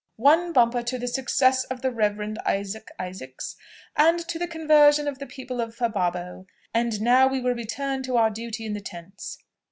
One bumper to the success of the Reverend Isaac Isaacs! and to the conversion of the people of Fababo! And now we will return to our duty in the tents."